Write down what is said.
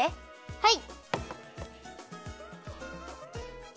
はい。